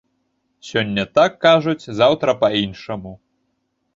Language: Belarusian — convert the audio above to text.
Сёння так кажуць, заўтра па-іншаму.